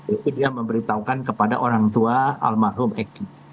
itu dia memberitahukan kepada orang tua almarhum eki